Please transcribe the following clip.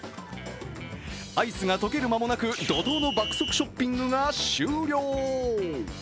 アイスが溶ける間もなく怒とうの爆速ショッピングが終了。